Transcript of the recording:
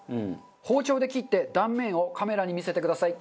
包丁で切って断面をカメラに見せてください。